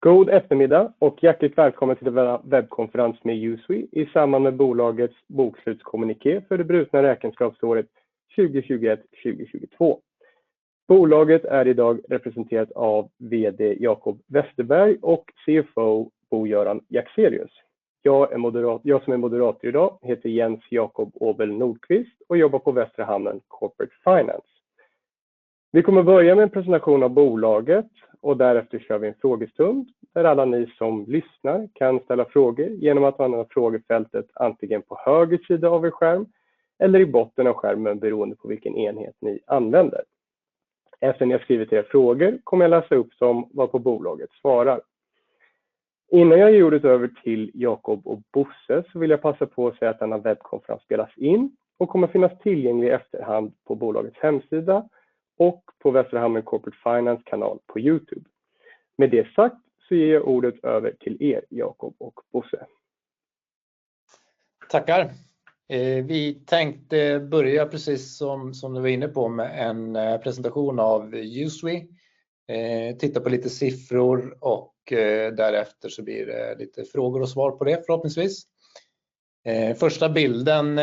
God eftermiddag och hjärtligt välkommen till denna webbkonferens med USWE i samband med bolagets bokslutskommuniké för det brutna räkenskapsåret 2021/2022. Bolaget är idag representerat av vd Jacob Westerberg och CFO Bo-Göran Jaxelius. Jag som är moderator idag heter Jens Jacob Aabel Nordkvist och jobbar på Västra Hamnen Corporate Finance. Vi kommer börja med en presentation av bolaget och därefter kör vi en frågestund där alla ni som lyssnar kan ställa frågor genom att använda frågefältet antingen på höger sida av er skärm eller i botten av skärmen beroende på vilken enhet ni använder. Efter ni har skrivit era frågor kommer jag läsa upp dem varpå bolaget svarar. Innan jag ger ordet över till Jacob och Bosse så vill jag passa på att säga att denna webbkonferens spelas in och kommer att finnas tillgänglig i efterhand på bolagets hemsida och på Västra Hamnen Corporate Finance kanal på YouTube. Med det sagt så ger jag ordet över till er, Jacob och Bosse. Tackar. Vi tänkte börja precis som du var inne på med en presentation av USWE. Titta på lite siffror och därefter så blir det lite frågor och svar på det förhoppningsvis. Första bilden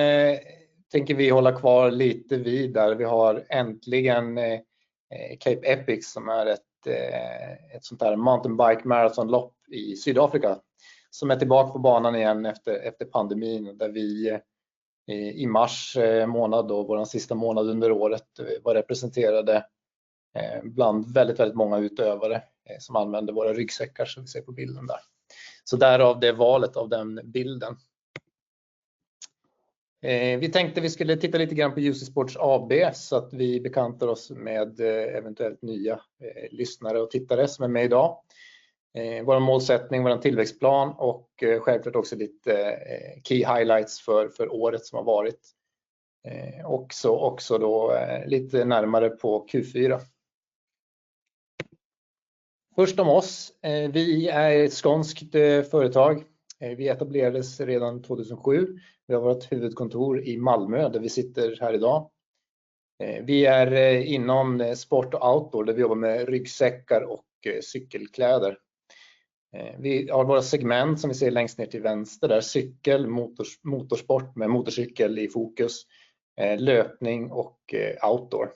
tänker vi hålla kvar lite vid där vi har äntligen Cape Epic som är ett sånt där mountainbike maratonlopp i Sydafrika. Som är tillbaka på banan igen efter pandemin och där vi i mars månad då, vår sista månad under året, var representerade bland väldigt många utövare som använder våra ryggsäckar som vi ser på bilden där. Så därav det valet av den bilden. Vi tänkte vi skulle titta lite grann på USWE Sports AB så att vi bekantar oss med eventuellt nya lyssnare och tittare som är med i dag. Vår målsättning, vår tillväxtplan och självklart också lite key highlights för året som har varit. Också då lite närmare på Q4. Först om oss. Vi är ett skånskt företag. Vi etablerades redan 2007. Vi har vårt huvudkontor i Malmö, där vi sitter här i dag. Vi är inom sport och outdoor, där vi jobbar med ryggsäckar och cykelkläder. Vi har våra segment som vi ser längst ner till vänster där, cykel, motorsport med motorcykel i fokus, löpning och outdoor.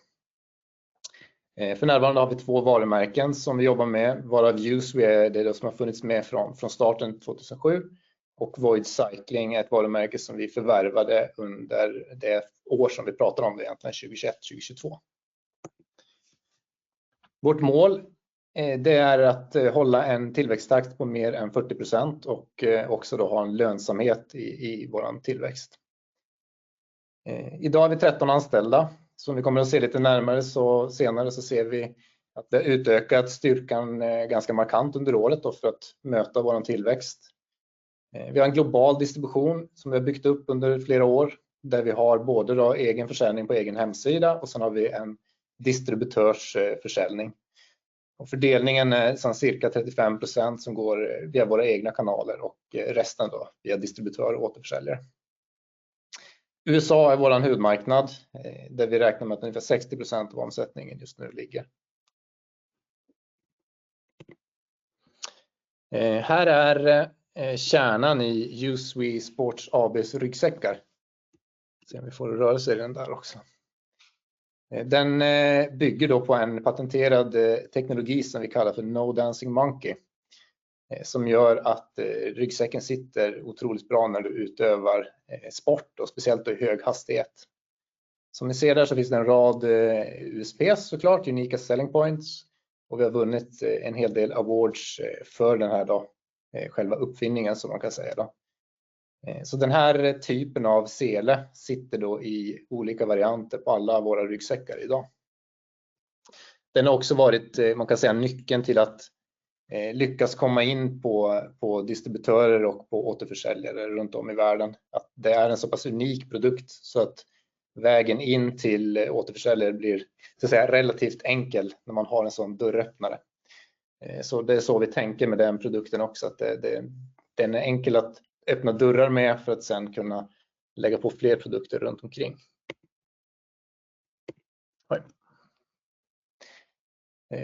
För närvarande har vi två varumärken som vi jobbar med, varav USWE är det som har funnits med från starten 2007. Och VOID Cycling är ett varumärke som vi förvärvade under det år som vi pratar om, det är egentligen 2021/2022. Vårt mål, det är att hålla en tillväxttakt på mer än 40% och också då ha en lönsamhet i vår tillväxt. Idag har vi 13 anställda. Som vi kommer att se lite närmare så senare så ser vi att vi har utökat styrkan ganska markant under året då för att möta vår tillväxt. Vi har en global distribution som vi har byggt upp under flera år, där vi har både då egen försäljning på egen hemsida och sen har vi en distributörsförsäljning. Fördelningen är sen cirka 35% som går via våra egna kanaler och resten då via distributörer och återförsäljare. USA är vår huvudmarknad, där vi räknar med att ungefär 60% av omsättningen just nu ligger. Här är kärnan i USWE Sports AB:s ryggsäckar. Se om vi får det att röra sig den där också. Den bygger då på en patenterad teknologi som vi kallar för No Dancing Monkey, som gör att ryggsäcken sitter otroligt bra när du utövar sport och speciellt då i hög hastighet. Som ni ser där så finns det en rad USP så klart, unika selling points. Vi har vunnit en hel del awards för den här då, själva uppfinningen så man kan säga då. Den här typen av sele sitter då i olika varianter på alla våra ryggsäckar i dag. Den har också varit, man kan säga nyckeln till att lyckas komma in på distributörer och på återförsäljare runt om i världen. Att det är en så pass unik produkt så att vägen in till återförsäljare blir, så att säga, relativt enkel när man har en sådan dörröppnare. Det är så vi tänker med den produkten också, att det, den är enkel att öppna dörrar med för att sedan kunna lägga på fler produkter runt omkring. Oj.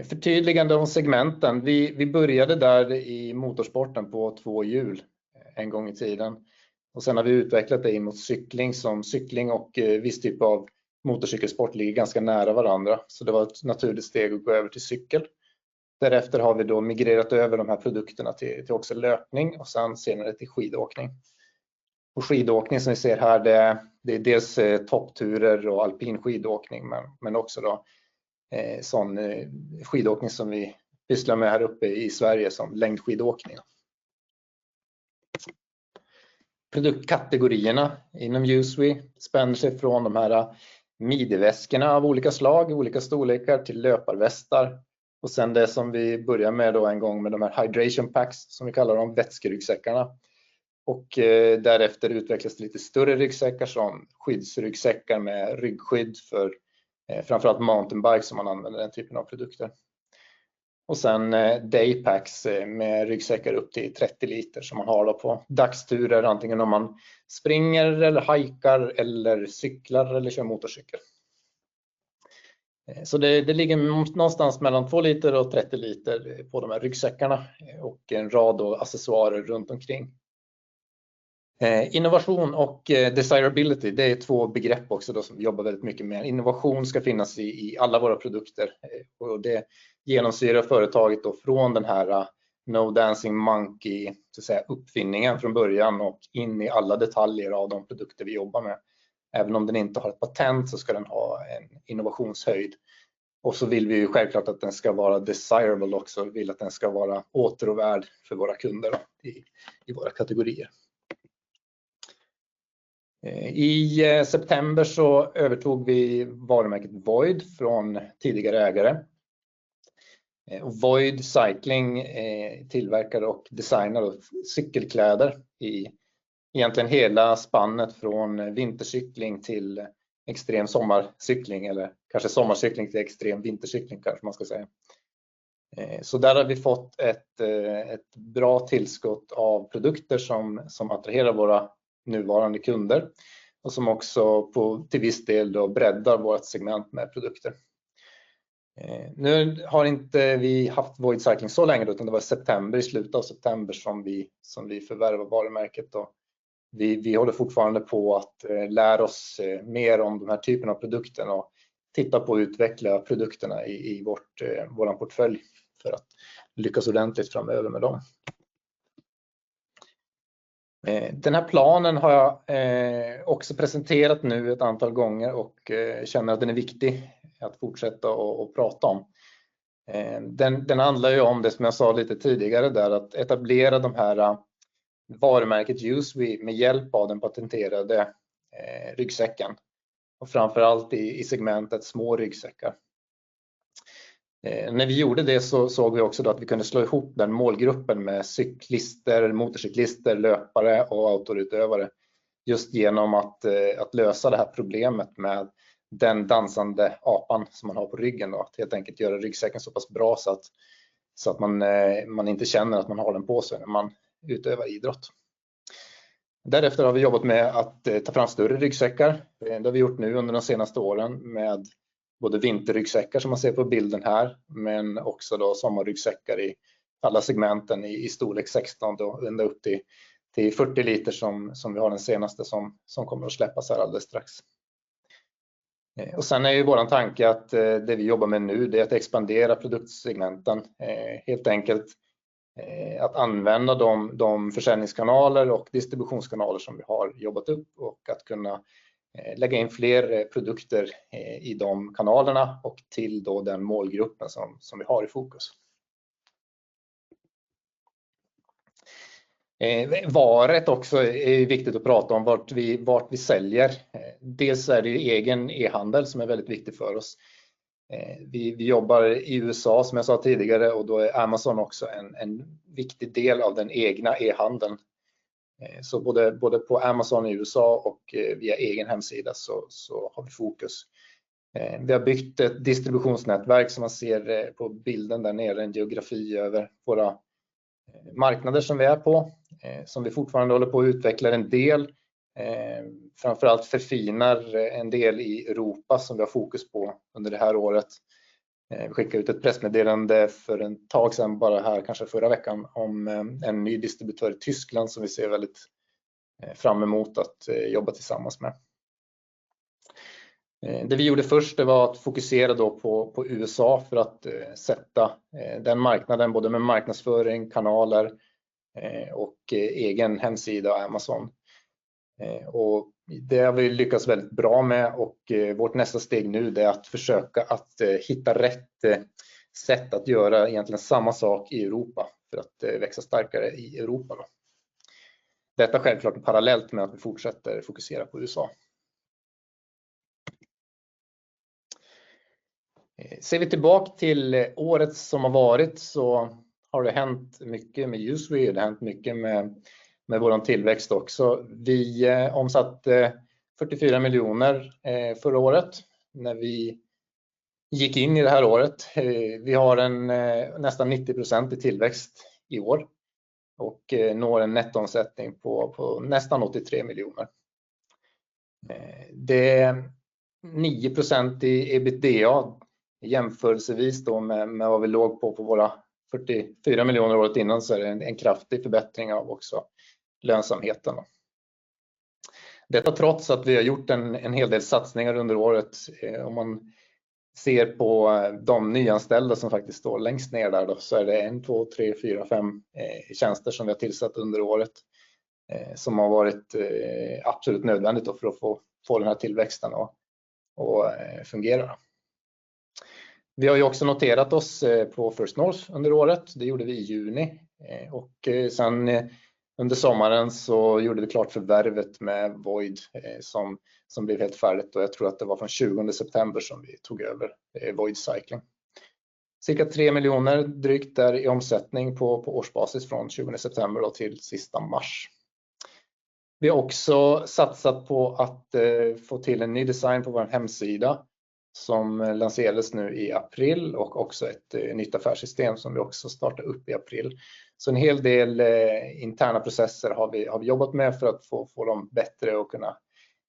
Förtydligande om segmenten. Vi började där i motorsporten på två hjul en gång i tiden och sen har vi utvecklat det mot cykling som cykling och viss typ av motorcykelsport ligger ganska nära varandra. Det var ett naturligt steg att gå över till cykel. Därefter har vi då migrerat över de här produkterna till också löpning och sedan senare till skidåkning. Skidåkning som ni ser här, det är dels toppturer och alpin skidåkning, men också då sådan skidåkning som vi pysslar med här uppe i Sverige som längdskidåkning. Produktkategorierna inom USWE spänner sig från de här midjeväskorna av olika slag, olika storlekar till löparvästar. Sedan det som vi börjar med då en gång med de här hydration packs som vi kallar dem, vätskeryggsäckarna. Därefter utvecklas det lite större ryggsäckar som skidryggsäckar med ryggskydd för framför allt mountainbike som man använder den typen av produkter. Sen daypacks med ryggsäckar upp till 30 liter som man har då på dagsturer, antingen om man springer eller hajkar eller cyklar eller kör motorcykel. Det ligger någonstans mellan 2 liter och 30 liter på de här ryggsäckarna och en rad accessoarer runt omkring. Innovation och desirability, det är två begrepp också som vi jobbar väldigt mycket med. Innovation ska finnas i alla våra produkter och det genomsyrar företaget från den här No Dancing Monkey, så att säga, uppfinningen från början och in i alla detaljer av de produkter vi jobbar med. Även om den inte har ett patent så ska den ha en innovationshöjd. Vi vill självklart att den ska vara desirable också. Vi vill att den ska vara åtråvärd för våra kunder i våra kategorier. I september övertog vi varumärket VOID från tidigare ägare. VOID Cycling tillverkar och designar cykelkläder i egentligen hela spannet från vintercykling till extrem sommarcykling eller kanske sommarcykling till extrem vintercykling kanske man ska säga. Där har vi fått ett bra tillskott av produkter som attraherar våra nuvarande kunder och som också till viss del breddar vårt segment med produkter. Nu har inte vi haft VOID Cycling så länge, utan det var i september, i slutet av september som vi förvärvade varumärket. Vi håller fortfarande på att lära oss mer om den här typen av produkten och titta på att utveckla produkterna i vår portfölj för att lyckas ordentligt framöver med dem. Den här planen har jag också presenterat nu ett antal gånger och känner att den är viktig att fortsätta och prata om. Den handlar om det som jag sa lite tidigare där, att etablera det här varumärket USWE med hjälp av den patenterade ryggsäcken och framför allt i segmentet små ryggsäckar. När vi gjorde det så såg vi också att vi kunde slå ihop den målgruppen med cyklister, motorcyklister, löpare och outdoorutövare. Just genom att lösa det här problemet med den dansande apan som man har på ryggen. Att helt enkelt göra ryggsäcken så pass bra så att man inte känner att man har den på sig när man utövar idrott. Därefter har vi jobbat med att ta fram större ryggsäckar. Det har vi gjort nu under de senaste åren med både vinterryggsäckar som man ser på bilden här, men också sommarryggsäckar i alla segmenten i storlek 16 och ända upp till 40 liter som vi har den senaste som kommer att släppas här alldeles strax. Sen är vår tanke att det vi jobbar med nu, det är att expandera produktsegmenten. Helt enkelt att använda de försäljningskanaler och distributionskanaler som vi har jobbat upp och att kunna lägga in fler produkter i de kanalerna och till då den målgruppen som vi har i fokus. Vart också är viktigt att prata om vart vi säljer. Dels är det egen e-handel som är väldigt viktig för oss. Vi jobbar i USA som jag sa tidigare och då är Amazon också en viktig del av den egna e-handeln. Både på Amazon i USA och via egen hemsida så har vi fokus. Vi har byggt ett distributionsnätverk som man ser på bilden där nere, en geografi över våra marknader som vi är på, som vi fortfarande håller på att utvecklas en del, framför allt förfinar en del i Europa som vi har fokus på under det här året. Vi skickade ut ett pressmeddelande för ett tag sedan, bara här kanske förra veckan, om en ny distributör i Tyskland som vi ser väldigt fram emot att jobba tillsammans med. Det vi gjorde först, det var att fokusera då på USA för att sätta den marknaden, både med marknadsföring, kanaler och egen hemsida och Amazon. Det har vi lyckats väldigt bra med och vårt nästa steg nu, det är att försöka att hitta rätt sätt att göra egentligen samma sak i Europa för att växa starkare i Europa. Detta självklart parallellt med att vi fortsätter fokusera på USA. Ser vi tillbaka till året som har varit så har det hänt mycket med USWE, det har hänt mycket med vår tillväxt också. Vi omsatte SEK 44 miljoner förra året när vi gick in i det här året. Vi har en nästan 90% tillväxt i år och når en nettoomsättning på nästan SEK 83 million. Det är 9% i EBITDA. Jämförelsevis då med vad vi låg på våra SEK 44 million året innan så är det en kraftig förbättring av också lönsamheten. Detta trots att vi har gjort en hel del satsningar under året. Om man ser på de nyanställda som faktiskt står längst ner där då så är det 1, 2, 3, 4, 5 tjänster som vi har tillsatt under året som har varit absolut nödvändigt för att få den här tillväxten att fungera. Vi har också noterat oss på First North under året. Det gjorde vi i juni. Sen under sommaren så gjorde vi klart förvärvet med VOID som blev helt färdigt. Jag tror att det var från 20 september som vi tog över VOID Cycling. Cirka SEK 3 miljoner drygt där i omsättning på årsbasis från tjugonde september till sista mars. Vi har också satsat på att få till en ny design på vår hemsida som lanserades nu i april och också ett nytt affärssystem som vi också startade upp i april. En hel del interna processer har vi jobbat med för att få dem bättre och kunna,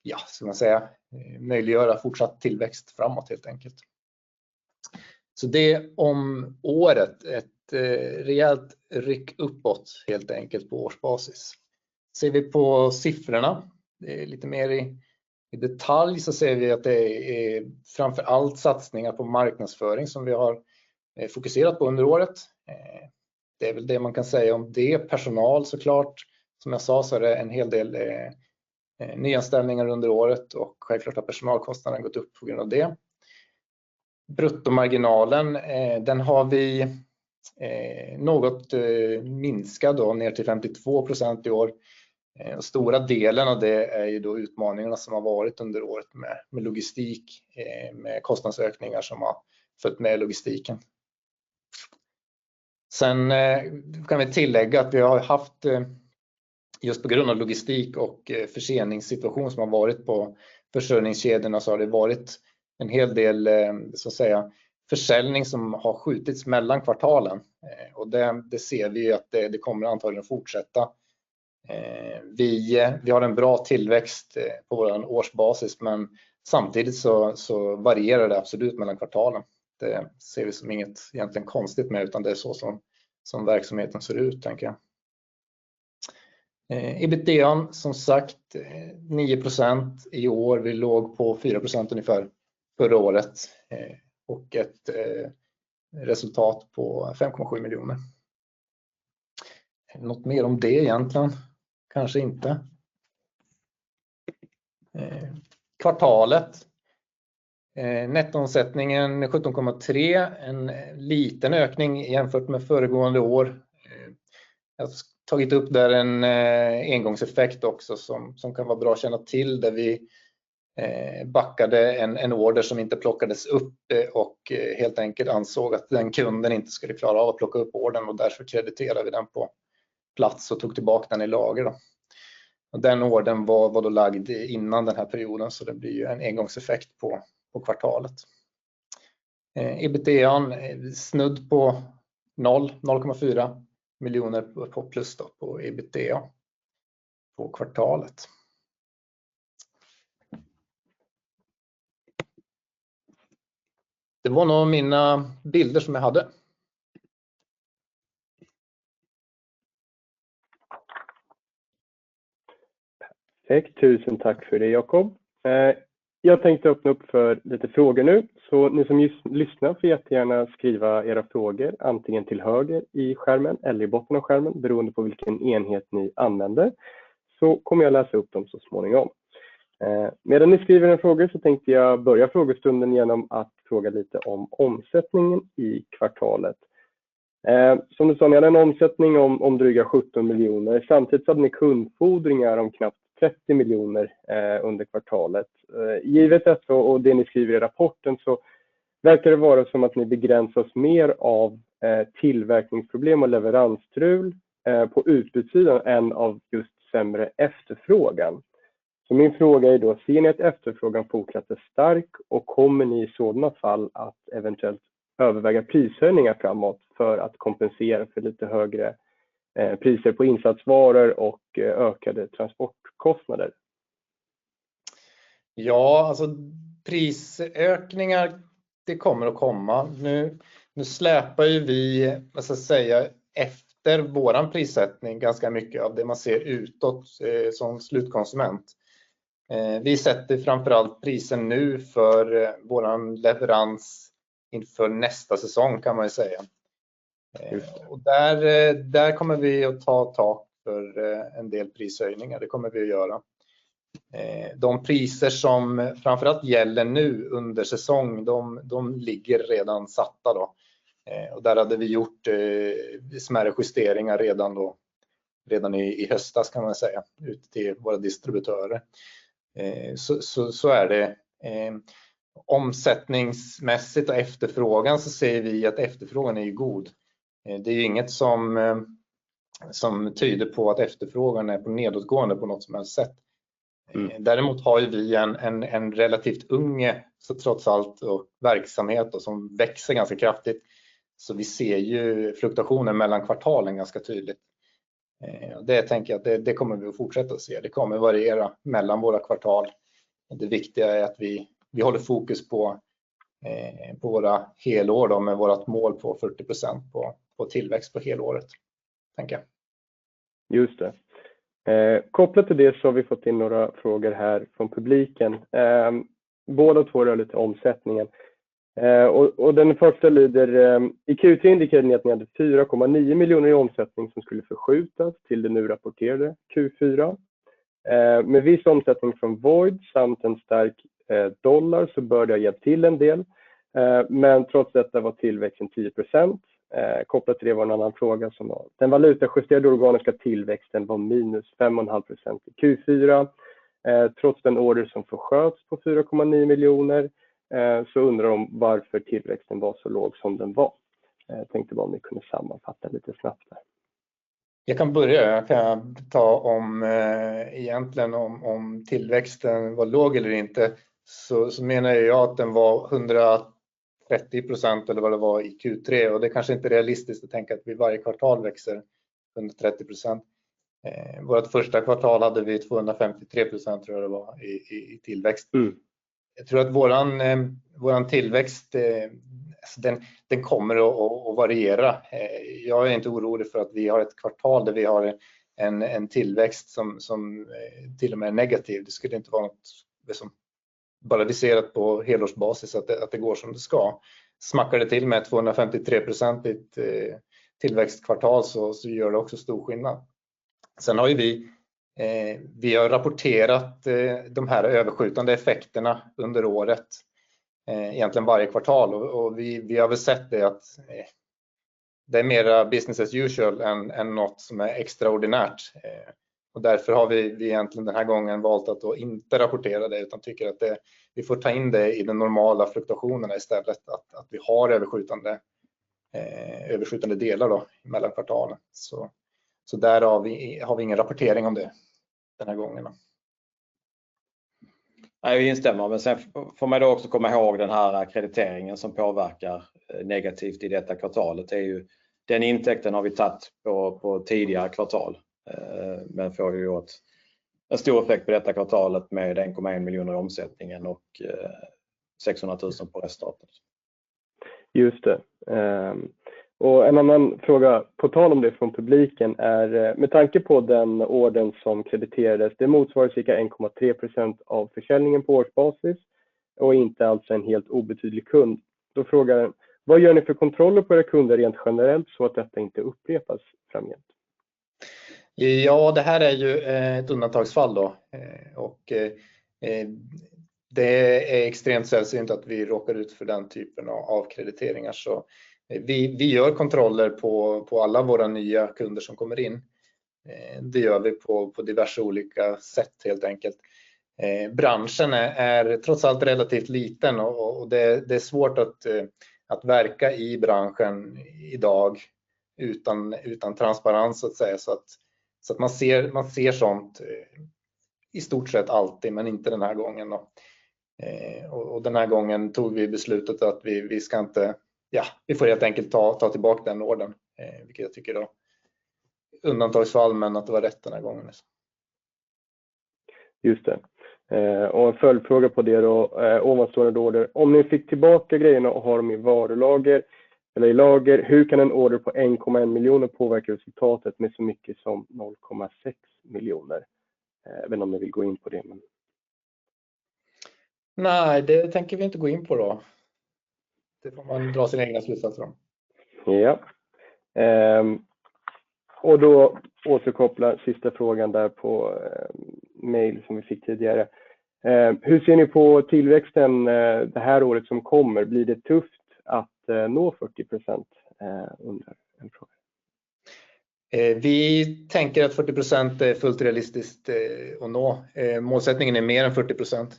ja ska man säga, möjliggöra fortsatt tillväxt framåt helt enkelt. Det om året, ett rejält ryck uppåt helt enkelt på årsbasis. Ser vi på siffrorna, det är lite mer i detalj så ser vi att det är framför allt satsningar på marknadsföring som vi har fokuserat på under året. Det är väl det man kan säga om det. Personal så klart. Som jag sa så är det en hel del nyanställningar under året och självklart har personalkostnaden gått upp på grund av det. Bruttomarginalen, den har vi något minskat ner till 52% i år. Stora delen av det är ju då utmaningarna som har varit under året med logistik, med kostnadsökningar som har följt med logistiken. Kan vi tillägga att vi har haft just på grund av logistik och förseningssituation som har varit på försörjningskedjorna så har det varit en hel del så att säga försäljning som har skjutits mellan kvartalen. Det ser vi att det kommer antagligen att fortsätta. Vi har en bra tillväxt på vår årsbasis, men samtidigt så varierar det absolut mellan kvartalen. Det ser vi som inget egentligen konstigt med, utan det är så som verksamheten ser ut tänker jag. EBITDA:n som sagt 9% i år. Vi låg på 4% ungefär förra året och ett resultat på SEK 5.7 miljoner. Något mer om det egentligen? Kanske inte. Kvartalet. Nettoomsättningen SEK 17.3 million, en liten ökning jämfört med föregående år. Jag har tagit upp där en engångseffekt också som kan vara bra att känna till. Där vi backade en order som inte plockades upp och helt enkelt ansåg att den kunden inte skulle klara av att plocka upp ordern och därför krediterade vi den på plats och tog tillbaka den i lager då. Den ordern var lagd innan den här perioden så det blir en engångseffekt på kvartalet. EBITDA:n snudd på noll, SEK 0.4 million på plus då på EBITDA på kvartalet. Det var nog mina bilder som jag hade. Tusen tack för det Jacob. Jag tänkte öppna upp för lite frågor nu. Ni som lyssnar får jättegärna skriva era frågor antingen till höger i skärmen eller i botten av skärmen, beroende på vilken enhet ni använder. Kommer jag läsa upp dem så småningom. Medan ni skriver era frågor så tänkte jag börja frågestunden med att fråga lite om omsättningen i kvartalet. Som du sa, ni hade en omsättning om dryga SEK 17 miljoner. Samtidigt hade ni kundfordringar om knappt SEK 30 miljoner under kvartalet. Givet det så, och det ni skriver i rapporten så verkar det vara som att ni begränsas mer av tillverkningsproblem och leveransstrul på utbudssidan än av just sämre efterfrågan. Min fråga är då: Ser ni att efterfrågan fortsatt är stark och kommer ni i sådana fall att eventuellt överväga prishöjningar framåt för att kompensera för lite högre priser på insatsvaror och ökade transportkostnader? Ja, alltså prisökningar, det kommer att komma nu. Nu släpar ju vi, vad ska jag säga, efter vår prissättning ganska mycket av det man ser utåt som slutkonsument. Vi sätter framför allt priset nu för vår leverans inför nästa säsong kan man ju säga. Där, där kommer vi att ta tag i en del prishöjningar. Det kommer vi att göra. De priser som framför allt gäller nu under säsong, de ligger redan satta då. Där hade vi gjort smärre justeringar redan då, redan i höstas kan man säga, ut till våra distributörer. Så är det. Omsättningsmässigt och efterfrågan så ser vi att efterfrågan är god. Det är inget som tyder på att efterfrågan är på nedåtgående på något som helst sätt. Däremot har vi en relativt ung, så trots allt, verksamhet som växer ganska kraftigt. Vi ser ju fluktuationen mellan kvartalen ganska tydligt. Det tänker jag att det kommer vi att fortsätta att se. Det kommer variera mellan våra kvartal. Det viktiga är att vi håller fokus på våra helår med vårt mål på 40% tillväxt på helåret tänker jag. Just det. Kopplat till det så har vi fått in några frågor här från publiken. Både och två rör lite omsättningen. Den första lyder: I Q3 indikerade ni att ni hade SEK 4.9 miljoner i omsättning som skulle förskjutas till det nu rapporterade Q4. Med viss omsättning från Void samt en stark dollar så bör det ha gett till en del. Trots detta var tillväxten 10%. Kopplat till det var en annan fråga som var: Den valutajusterade organiska tillväxten var minus 5.5% i Q4. Trots den order som förskjutas på SEK 4.9 miljoner, så undrar de varför tillväxten var så låg som den var. Tänkte bara om ni kunde sammanfatta lite snabbt där. Jag kan börja. Jag kan ta om egentligen om tillväxten var låg eller inte. Menar jag att den var 130% eller vad det var i Q3. Det kanske inte är realistiskt att tänka att vi varje kvartal växer 130%. Vårat första kvartal hade vi 253%, tror jag det var i tillväxt. Jag tror att våran tillväxt, den kommer att variera. Jag är inte orolig för att vi har ett kvartal där vi har en tillväxt som till och med är negativ. Det skulle inte vara något som bara vi ser att på helårsbasis att det går som det ska. Smackar det till med 253% i ett tillväxtkvartal så gör det också stor skillnad. Sen har ju vi rapporterat de här överskjutande effekterna under året, egentligen varje kvartal. Och vi har väl sett det att det är mera business as usual än något som är extraordinärt. Och därför har vi egentligen den här gången valt att inte rapportera det, utan tycker att vi får ta in det i den normala fluktuationerna istället. Att vi har överskjutande delar då mellan kvartalen. Där har vi ingen rapportering om det den här gången då. Jag instämmer, men sen får man då också komma ihåg den här krediteringen som påverkar negativt i detta kvartalet. Det är ju den intäkten har vi tagit på tidigare kvartal. Får ju då en stor effekt på detta kvartalet med SEK 1.1 miljoner i omsättningen och SEK 600,000 på resultatet. Just det. En annan fråga på tal om det från publiken är med tanke på den ordern som krediterades, det motsvarar cirka 1.3% av försäljningen på årsbasis och inte alltså en helt obetydlig kund. Då frågar den: Vad gör ni för kontroller på era kunder rent generellt så att detta inte upprepas framgent? Det här är ju ett undantagsfall då. Det är extremt sällsynt att vi råkar ut för den typen av krediteringar. Vi gör kontroller på alla våra nya kunder som kommer in. Det gör vi på diverse olika sätt helt enkelt. Branschen är trots allt relativt liten och det är svårt att verka i branschen i dag utan transparens så att säga. Att man ser sådant i stort sett alltid, men inte den här gången då. Den här gången tog vi beslutet att vi ska inte, ja, vi får helt enkelt ta tillbaka den ordern, vilket jag tycker då undantagsfall men att det var rätt den här gången. Just det. En följdfråga på det då. Ovan står det då där: Om ni fick tillbaka grejerna och har dem i varulager eller i lager, hur kan en order på SEK 1.1 miljoner påverka resultatet med så mycket som SEK 0.6 miljoner? Jag vet inte om ni vill gå in på det? Nej, det tänker vi inte gå in på då. Det får man dra sina egna slutsatser om. Ja. Då återkopplar sista frågan där på mail som vi fick tidigare. Hur ser ni på tillväxten det här året som kommer? Blir det tufft att nå 40% undrar en frågeställare? Vi tänker att 40% är fullt realistiskt att nå. Målsättningen är mer än 40%.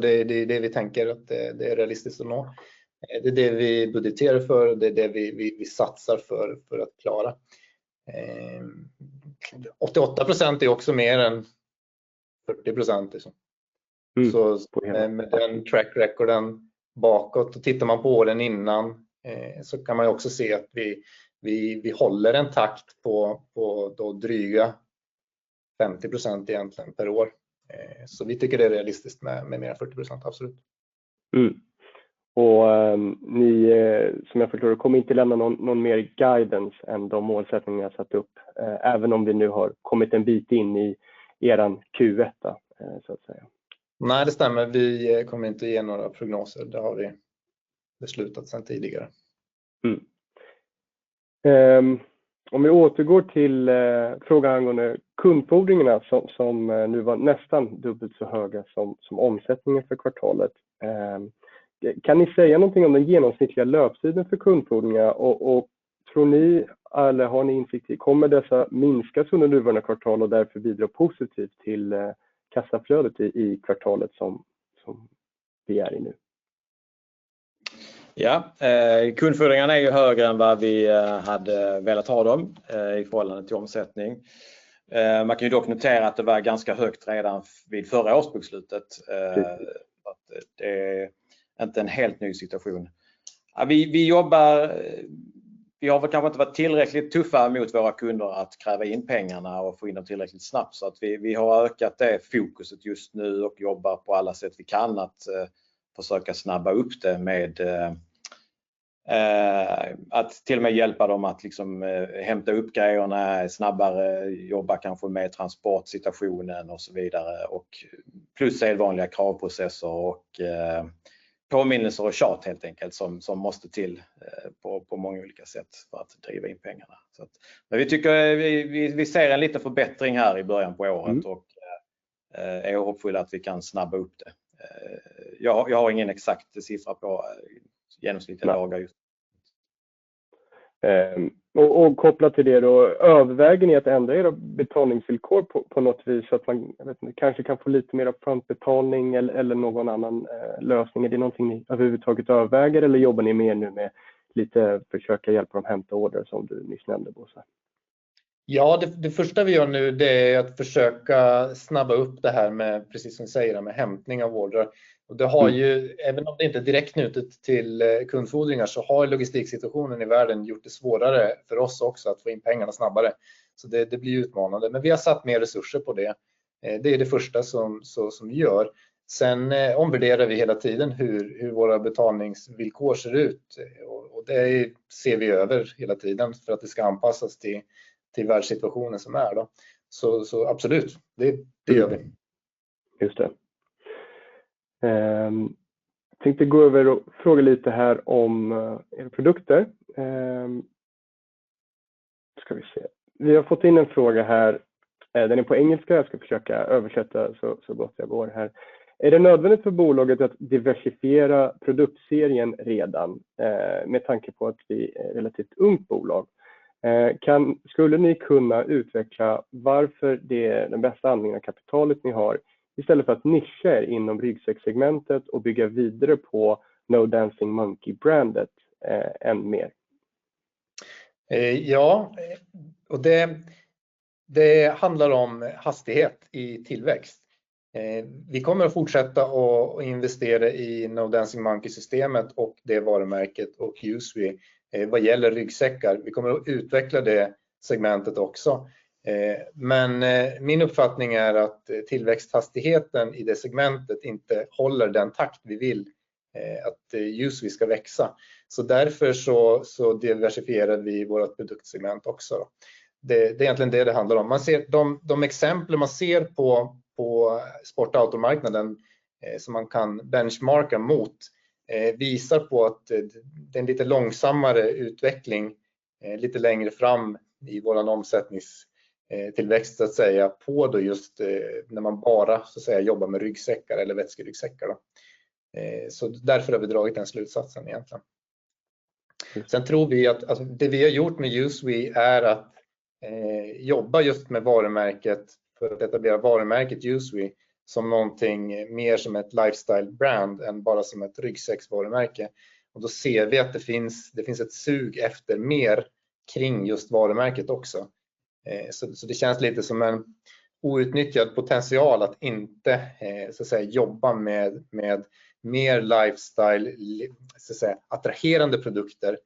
Det är det vi tänker att det är realistiskt att nå. Det är det vi budgeterar för, det är det vi satsar för för att klara. 88% är också mer än 40% liksom. Med den track recorden bakåt och tittar man på åren innan så kan man också se att vi håller en takt på dryga 50% egentligen per år. Vi tycker det är realistiskt med mer än 40%, absolut. Ni, som jag förstår det, kommer inte lämna någon mer guidance än de målsättningar ni har satt upp, även om vi nu har kommit en bit in i eran Q1 så att säga. Nej, det stämmer. Vi kommer inte ge några prognoser. Det har vi beslutat sedan tidigare. Om vi återgår till frågan angående kundfordringarna som nu var nästan dubbelt så höga som omsättningen för kvartalet. Kan ni säga någonting om den genomsnittliga löptiden för kundfordringar? Tror ni eller har ni insikt i, kommer dessa minskas under det nuvarande kvartal och därför bidra positivt till kassaflödet i kvartalet som vi är i nu? Ja, kundfordringar är ju högre än vad vi hade velat ha dem i förhållande till omsättning. Man kan ju dock notera att det var ganska högt redan vid förra årsbokslutet. Det är inte en helt ny situation. Vi jobbar, vi har kanske inte varit tillräckligt tuffa mot våra kunder att kräva in pengarna och få in dem tillräckligt snabbt. Så att vi har ökat det fokuset just nu och jobbar på alla sätt vi kan att försöka snabba upp det med att till och med hjälpa dem att hämta upp grejerna snabbare, jobba kanske med transportsituationen och så vidare. Och plus sedvanliga kravprocesser och påminnelser och tjat helt enkelt som måste till på många olika sätt för att driva in pengarna. Vi tycker vi ser en liten förbättring här i början på året och är hoppfulla att vi kan snabba upp det. Jag har ingen exakt siffra på genomsnittliga lager just nu. Kopplat till det då, överväger ni att ändra era betalningsvillkor på något vis så att man kanske kan få lite mer av frontbetalning eller någon annan lösning? Är det någonting ni överhuvudtaget överväger eller jobbar ni mer nu med lite försöka hjälpa dem hämta order som du nyss nämnde Bosse? Ja, det första vi gör nu är att försöka snabba upp det här med, precis som du säger, med hämtning av order. Det har ju, även om det inte är direkt knutet till kundfordringar, så har logistiksituationen i världen gjort det svårare för oss också att få in pengarna snabbare. Det blir utmanande. Vi har satt mer resurser på det. Det är det första som vi gör. Vi omvärderar hela tiden hur våra betalningsvillkor ser ut. Det ser vi över hela tiden för att det ska anpassas till världssituationen som är då. Absolut, det gör vi. Just det. Jag tänkte gå över och fråga lite här om era produkter. Nu ska vi se. Vi har fått in en fråga här. Den är på engelska. Jag ska försöka översätta så gott jag kan här. Är det nödvändigt för bolaget att diversifiera produktserien redan med tanke på att vi är ett relativt ungt bolag? Skulle ni kunna utveckla varför det är den bästa användningen av kapitalet ni har istället för att nischa er inom ryggsäckssegmentet och bygga vidare på No Dancing Monkey-brandet ännu mer? Ja, och det handlar om hastighet i tillväxt. Vi kommer att fortsätta att investera i No Dancing Monkey-systemet och det varumärket och USWE vad gäller ryggsäckar. Vi kommer att utveckla det segmentet också. Men min uppfattning är att tillväxthastigheten i det segmentet inte håller den takt vi vill att USWE ska växa. Så därför diversifierar vi vårt produktsegment också då. Det är egentligen det handlar om. Man ser de exemplen man ser på sport-outdoor-marknaden som man kan benchmarka mot visar på att det är en lite långsammare utveckling, lite längre fram i vår omsättningstillväxt så att säga på då just när man bara så att säga jobbar med ryggsäckar eller vätske-ryggsäckar då. Så därför har vi dragit den slutsatsen egentligen. Tror vi att det vi har gjort med USWE är att jobba just med varumärket för att etablera varumärket USWE som någonting mer som ett lifestyle brand än bara som ett ryggsäcksvarumärke. Då ser vi att det finns ett sug efter mer kring just varumärket också. Det känns lite som en outnyttjad potential att inte så att säga jobba med mer lifestyle, så att säga attraktiva produkter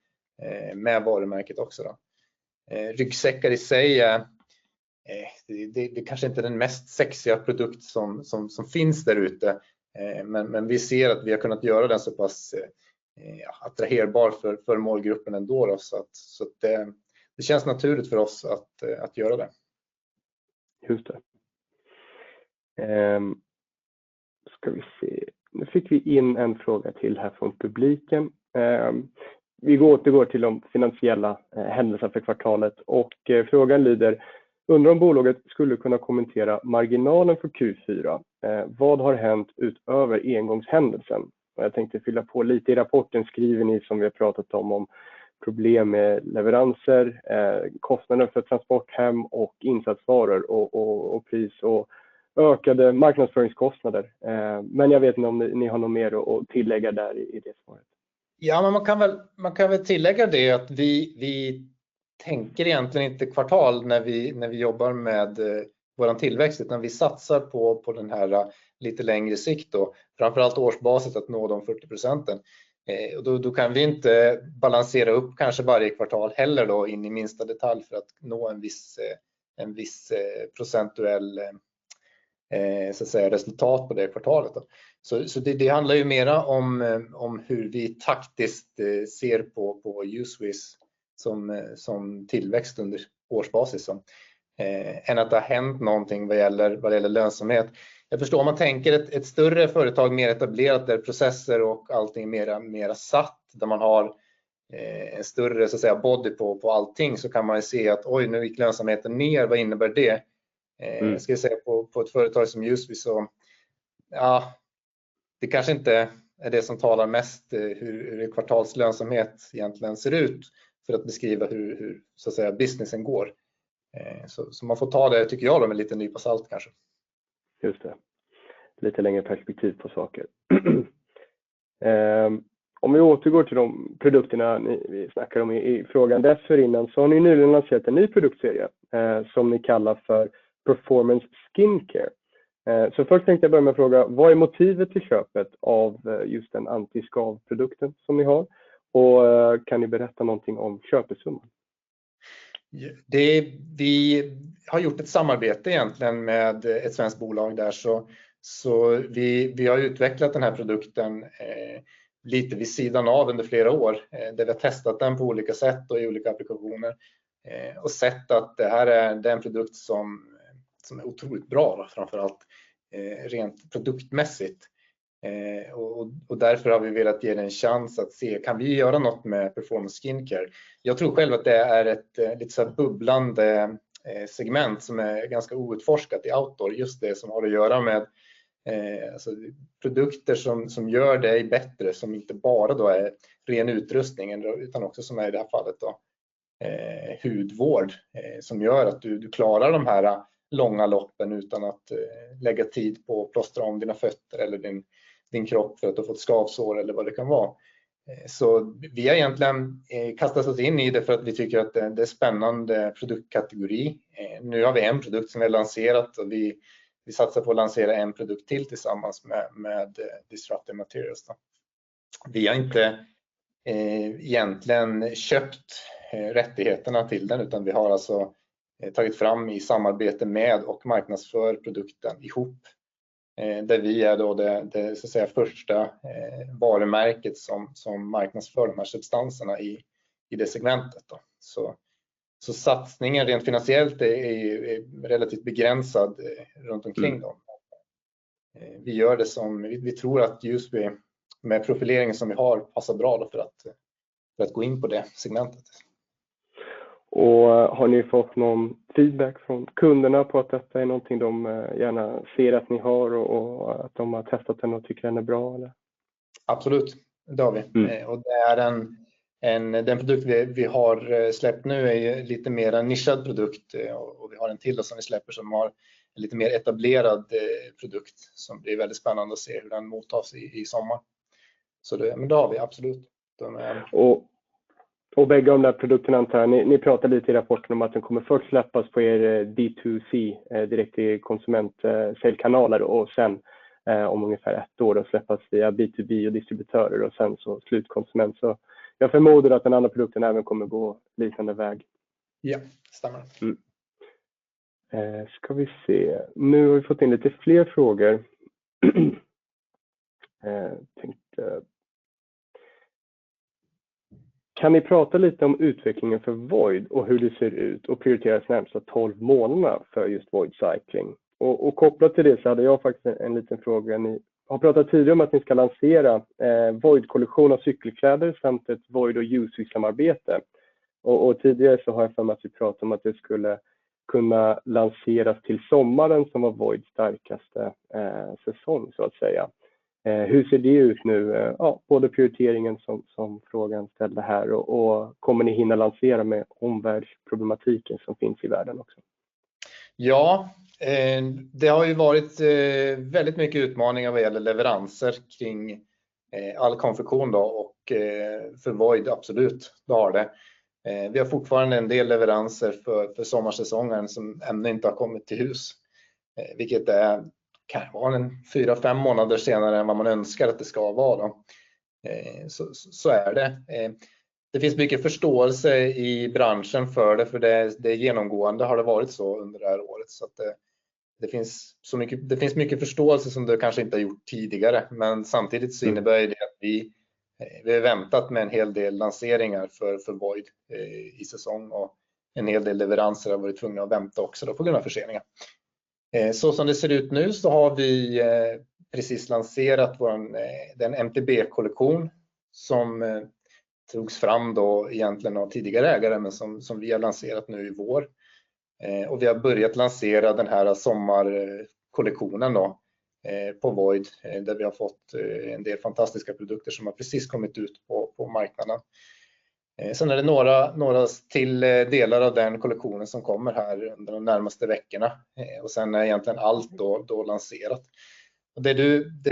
med varumärket också då. Ryggsäckar i sig är kanske inte den mest sexiga produkt som finns där ute, men vi ser att vi har kunnat göra den så pass attraktiv för målgruppen ändå då. Det känns naturligt för oss att göra det. Just det. Då ska vi se. Nu fick vi in en fråga till här från publiken. Vi återgår till de finansiella händelserna för kvartalet och frågan lyder: Undrar om bolaget skulle kunna kommentera marginalen för Q4. Vad har hänt utöver engångshändelsen? Jag tänkte fylla på lite. I rapporten skriver ni, som vi har pratat om problem med leveranser, kostnaden för transport hem och insatsvaror och pris och ökade marknadsföringskostnader. Men jag vet inte om ni har något mer att tillägga där i det svaret. Ja, man kan väl tillägga det att vi tänker egentligen inte kvartal när vi jobbar med vår tillväxt. Vi satsar på den här lite längre sikt då. Framför allt årsbaserat att nå de 40%. Då kan vi inte balansera upp kanske varje kvartal heller då in i minsta detalj för att nå en viss procentuell, så att säga resultat på det kvartalet då. Det handlar ju mera om hur vi taktiskt ser på USWE som tillväxt under årsbasis då. Än att det har hänt någonting vad gäller lönsamhet. Jag förstår om man tänker ett större företag, mer etablerat, där processer och allting är mera satt, där man har en större så att säga body på allting. Man kan se att oj, nu gick lönsamheten ner. Vad innebär det? Ska vi säga på ett företag som USWE så, ja, det kanske inte är det som talar mest hur kvartalslönsamhet egentligen ser ut för att beskriva hur, så att säga businessen går. Så man får ta det tycker jag med en liten nypa salt kanske. Just det. Lite längre perspektiv på saker. Om vi återgår till de produkterna vi snackade om i frågan dessförinnan så har ni nyligen lanserat en ny produktserie, som ni kallar för Performance Skincare. Först tänkte jag börja med att fråga: Vad är motivet till köpet av just den anti-skavprodukten som ni har? Kan ni berätta någonting om köpesumman? Vi har gjort ett samarbete egentligen med ett svenskt bolag där. Vi har utvecklat den här produkten lite vid sidan av under flera år, där vi har testat den på olika sätt och i olika applikationer och sett att det här är en produkt som är otroligt bra, framför allt rent produktmässigt. Därför har vi velat ge den en chans att se kan vi göra något med Performance Skincare. Jag tror själv att det är ett lite såhär bubblande segment som är ganska outforskat i outdoor. Just det som har att göra med, alltså produkter som gör dig bättre, som inte bara då är ren utrustning, utan också som är i det här fallet då hudvård som gör att du klarar de här långa loppen utan att lägga tid på att plåstra om dina fötter eller din kropp för att du får ett skavsår eller vad det kan vara. Vi har egentligen kastat oss in i det för att vi tycker att det är en spännande produktkategori. Nu har vi en produkt som vi har lanserat och vi satsar på att lansera en produkt till tillsammans med Disruptive Materials då. Vi har inte, egentligen köpt rättigheterna till den, utan vi har alltså tagit fram i samarbete med och marknadsför produkten ihop. Där vi är då det så att säga första varumärket som marknadsför de här substanserna i det segmentet då. Satsningen rent finansiellt är ju relativt begränsad runt omkring dem. Vi gör det som vi tror att just vi med profileringen som vi har passar bra för att gå in på det segmentet. Har ni fått någon feedback från kunderna på att detta är någonting de gärna ser att ni har och att de har testat den och tycker den är bra eller? Absolut, det har vi. Det är den produkt vi har släppt nu är ju lite mer än nischad produkt och vi har en till som vi släpper som är en lite mer etablerad produkt som blir väldigt spännande att se hur den mottas i sommar. Men det har vi absolut. Båda de där produkterna antar jag. Ni pratar lite i rapporten om att den kommer först släppas på er B2C direkt till konsument säljkanaler och sen om ungefär ett år släppas via B2B och distributörer och sen så slutkonsument. Jag förmodar att den andra produkten även kommer gå liknande väg. Ja, stämmer. Ska vi se. Nu har vi fått in lite fler frågor. Kan ni prata lite om utvecklingen för VOID och hur det ser ut och prioriteras närmsta 12 månader för just VOID Cycling? Och kopplat till det så hade jag faktiskt en liten fråga. Ni har pratat tidigare om att ni ska lansera VOID-kollektion av cykelkläder samt ett VOID och Juice-samarbete. Och tidigare så har jag för mig att vi pratat om att det skulle kunna lanseras till sommaren som var VOID's starkaste säsong så att säga. Hur ser det ut nu? Ja, både prioriteringen som frågan ställde här och kommer ni hinna lansera med omvärldsproblematiken som finns i världen också? Det har ju varit väldigt mycket utmaningar vad gäller leveranser kring all konfektion då och för VOID absolut. Det har. Vi har fortfarande en del leveranser för sommarsäsongen som ännu inte har kommit till hus, vilket kan vara 4-5 månader senare än vad man önskar att det ska vara då. Så är det. Det finns mycket förståelse i branschen för det, för det är genomgående har det varit så under det här året. Det finns mycket förståelse som det kanske inte har gjort tidigare. Men samtidigt så innebär ju det att vi har väntat med en hel del lanseringar för VOID i säsong och en hel del leveranser har varit tvungna att vänta också då på grund av förseningen. Som det ser ut nu har vi precis lanserat vår den MTB-kollektion som togs fram då egentligen av tidigare ägare men som vi har lanserat nu i vår. Vi har börjat lansera den här sommarkollektionen på VOID, där vi har fått en del fantastiska produkter som har precis kommit ut på marknaden. Det är några till delar av den kollektionen som kommer här de närmaste veckorna och sen är egentligen allt lanserat. Det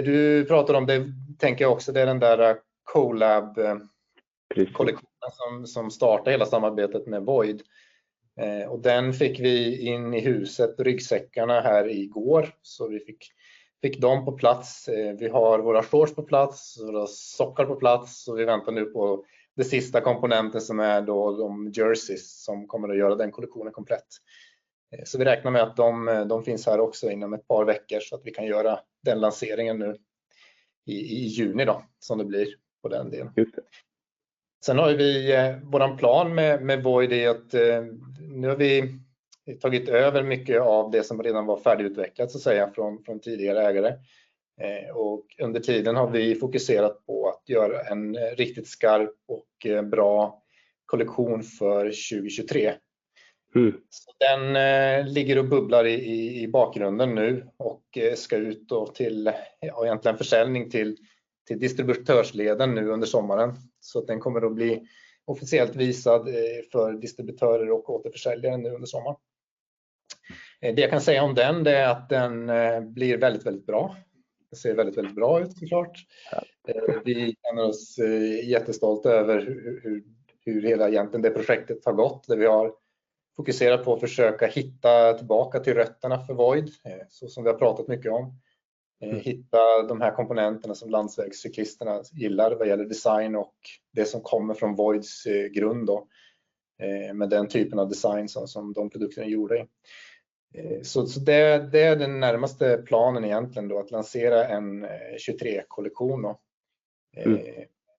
du pratar om, det tänker jag också, det är den där Co-Lab-kollektionen som startar hela samarbetet med VOID. Den fick vi in i huset, ryggsäckarna här igår. Vi fick dem på plats. Vi har våra shorts på plats, våra sockor på plats. Vi väntar nu på det sista komponenten som är då de jerseys som kommer att göra den kollektionen komplett. Vi räknar med att de finns här också inom ett par veckor så att vi kan göra den lanseringen nu i juni då, som det blir på den delen. Har ju vi vår plan med VOID är att nu har vi tagit över mycket av det som redan var färdigutvecklat så att säga från tidigare ägare. Och under tiden har vi fokuserat på att göra en riktigt skarp och bra kollektion för 2023. Mm. Den ligger och bubblar i bakgrunden nu och ska ut då till egentligen försäljning till distributörsleden nu under sommaren. Den kommer att bli officiellt visad för distributörer och återförsäljare nu under sommaren. Det jag kan säga om den, det är att den blir väldigt bra. Ser väldigt bra ut såklart. Vi känner oss jättestolta över hur hela egentligen det projektet har gått, där vi har fokuserat på att försöka hitta tillbaka till rötterna för VOID. Som vi har pratat mycket om. Hitta de här komponenterna som landsvägscyklisterna gillar vad gäller design och det som kommer från VOID:s grund då. Med den typen av design som de produkterna gjorde. Det är den närmaste planen egentligen då att lansera en 2023-kollektion då.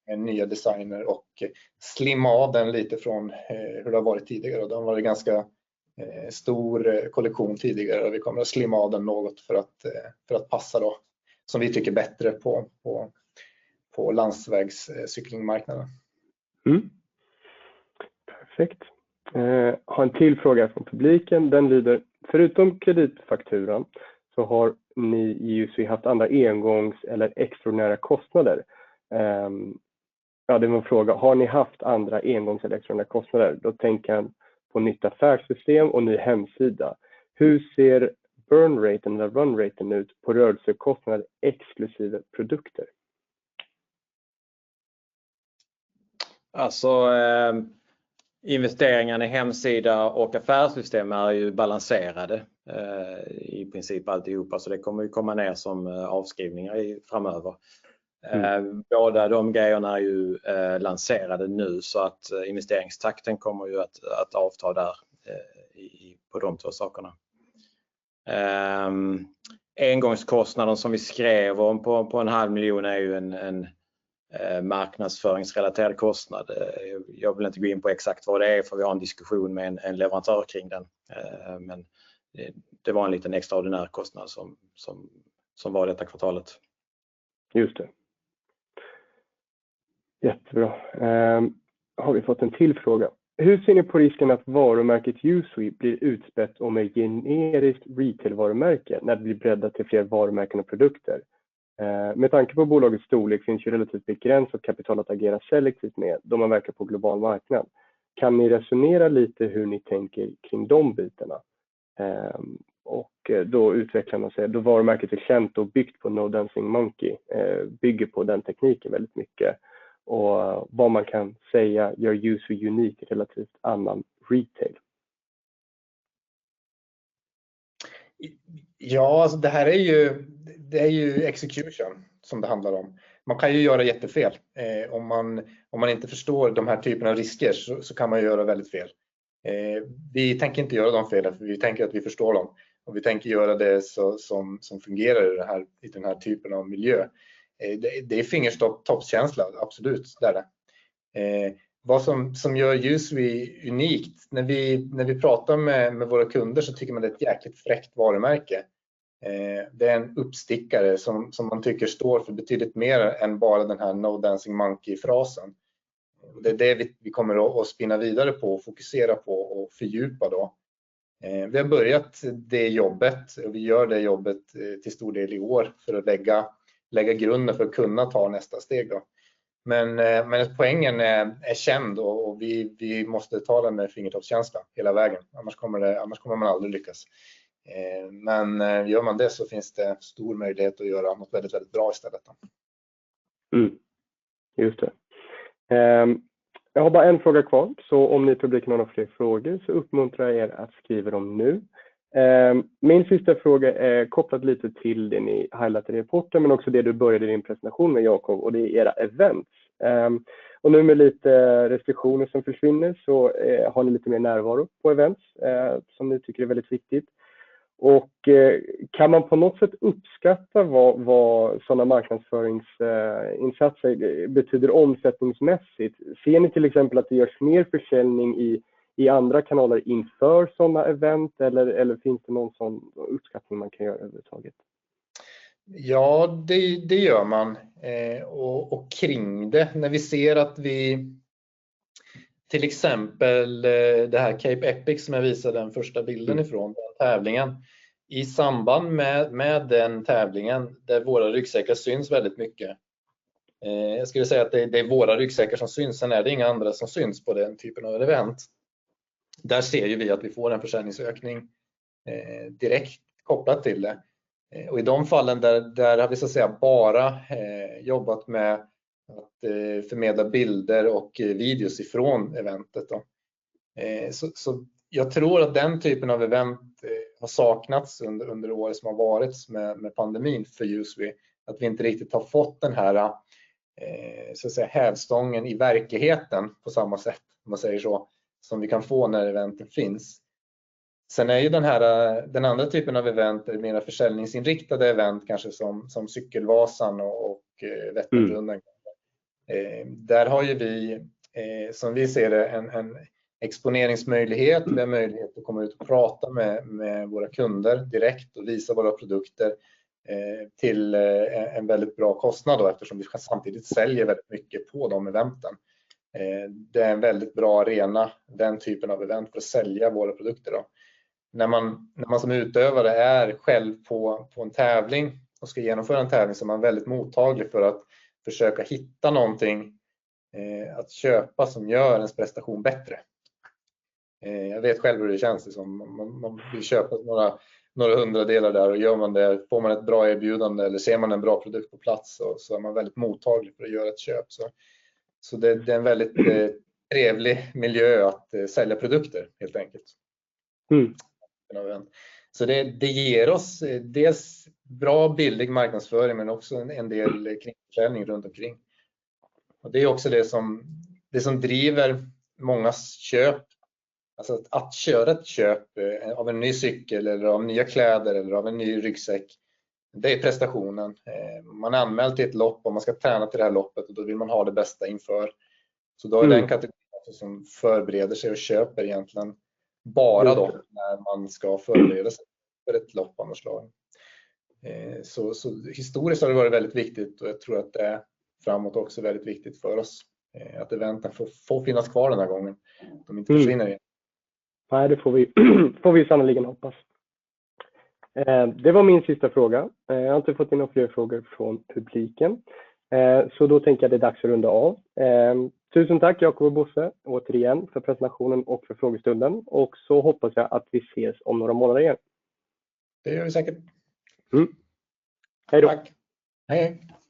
Med nya designer och slimma av den lite från hur det har varit tidigare. Det har varit ganska stor kollektion tidigare och vi kommer att slimma av den något för att passa då som vi tycker bättre på landsvägscyklingmarknaden. Perfekt. Har en till fråga från publiken. Den lyder: Förutom kreditfakturan så har ni i och för sig haft andra engångs eller extraordinära kostnader? Då tänker han på nytt affärssystem och ny hemsida. Hur ser burn rate eller run rate ut på rörelsekostnad exklusive produkter? Investeringarna i hemsida och affärssystem är ju balanserade, i princip alltihop. Det kommer ju komma ner som avskrivningar framöver. Båda de grejerna är ju lanserade nu så att investeringstakten kommer ju att avta där på de två sakerna. Engångskostnaden som vi skrev om på en halv miljon SEK är ju en marknadsföringsrelaterad kostnad. Jag vill inte gå in på exakt vad det är för vi har en diskussion med en leverantör kring den. Det var en liten extraordinär kostnad som var detta kvartalet. Just det. Jättebra. Har vi fått en till fråga. Hur ser ni på risken att varumärket USWE blir utspätt och mer generiskt retailvarumärke när det blir breddat till fler varumärken och produkter? Med tanke på bolagets storlek finns ju relativt begränsat kapital att agera selektivt med då man verkar på global marknad. Kan ni resonera lite hur ni tänker kring de bitarna? Då utvecklar man sig då varumärket är känt och byggt på No Dancing Monkey bygger på den tekniken väldigt mycket. Vad man kan säga gör USWE unikt relativt annan retail. Ja, alltså det här är ju execution som det handlar om. Man kan ju göra jättefel. Om man inte förstår de här typerna av risker så kan man göra väldigt fel. Vi tänker inte göra de felen för vi tänker att vi förstår dem. Vi tänker göra det så som fungerar i det här i den här typen av miljö. Det är fingertoppskänsla, absolut är det det. Vad som gör USWE unikt när vi pratar med våra kunder så tycker man det är ett jäkligt fräckt varumärke. Det är en uppstickare som man tycker står för betydligt mer än bara den här No Dancing Monkey-frasen. Det är det vi kommer att spinna vidare på och fokusera på och fördjupa då. Vi har börjat det jobbet och vi gör det jobbet till stor del i år för att lägga grunden för att kunna ta nästa steg då. Poängen är känd och vi måste ta den med fingertoppskänslan hela vägen. Annars kommer man aldrig lyckas. Gör man det så finns det stor möjlighet att göra något väldigt bra istället då. Jag har bara en fråga kvar. Om ni i publiken har några fler frågor så uppmuntrar jag er att skriva dem nu. Min sista fråga är kopplat lite till det ni highlightade i rapporten, men också det du började din presentation med Jacob och det är era events. Nu med lite restriktioner som försvinner så har ni lite mer närvaro på events, som ni tycker är väldigt viktigt. Kan man på något sätt uppskatta vad sådana marknadsföringsinsatser betyder omsättningsmässigt? Ser ni till exempel att det görs mer försäljning i andra kanaler inför sådana event? Eller finns det någon sådan uppskattning man kan göra överhuvudtaget? Ja, det gör man. Kring det. När vi ser att vi till exempel det här Cape Epic som jag visade den första bilden ifrån tävlingen. I samband med den tävlingen där våra ryggsäckar syns väldigt mycket. Jag skulle säga att det är våra ryggsäckar som syns. Är det inga andra som syns på den typen av event. Där ser ju vi att vi får en försäljningsökning direkt kopplat till det. I de fallen där har vi så att säga bara jobbat med att förmedla bilder och videos ifrån eventet då. Jag tror att den typen av event har saknats under året som har varit med pandemin för USWE. Att vi inte riktigt har fått den här, så att säga hävstången i verkligheten på samma sätt om man säger så, som vi kan få när eventen finns. Sen är ju den här, den andra typen av event, mera försäljningsinriktade event, kanske som Cykelvasan och Vätternrundan. Där har ju vi som vi ser det en exponeringsmöjlighet. Det är möjlighet att komma ut och prata med våra kunder direkt och visa våra produkter till en väldigt bra kostnad då eftersom vi samtidigt säljer väldigt mycket på de eventen. Det är en väldigt bra arena, den typen av event för att sälja våra produkter då. När man som utövare är själv på en tävling och ska genomföra en tävling så är man väldigt mottaglig för att försöka hitta någonting att köpa som gör ens prestation bättre. Jag vet själv hur det känns liksom. Man vill köpa några hundradelar där och gör man det får man ett bra erbjudande eller ser man en bra produkt på plats så är man väldigt mottaglig för att göra ett köp. Det är en väldigt trevlig miljö att sälja produkter helt enkelt. Mm. Det ger oss dels bra billig marknadsföring, men också en del kringförsäljning runt omkring. Det är också det som driver mångas köp. Alltså att köra ett köp av en ny cykel eller av nya kläder eller av en ny ryggsäck, det är prestationen. Man är anmäld till ett lopp och man ska träna till det här loppet och då vill man ha det bästa inför. Då är det en kategori som förbereda sig och köper egentligen bara då när man ska förbereda sig för ett lopp av något slag. Historiskt har det varit väldigt viktigt och jag tror att det är framåt också väldigt viktigt för oss att eventen får finnas kvar den här gången. De inte försvinner igen. Nej, det får vi, får vi sannerligen hoppas. Det var min sista fråga. Jag har inte fått in några fler frågor från publiken. Så då tänker jag att det är dags att runda av. Tusen tack Jacob och Bosse återigen för presentationen och för frågestunden och så hoppas jag att vi ses om några månader igen. Det gör vi säkert. Hej då. Tack. Hej hej.